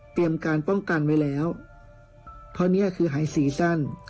เตรียมการป้องกันไว้แล้วเพราะเนี่ยคือหายซีซั่น